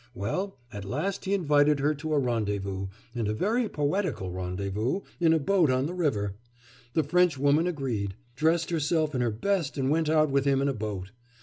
Well, at last he invited her to a rendezvous, and a very poetical rendezvous, in a boat on the river. The Frenchwoman agreed; dressed herself in her best and went out with him in a boat.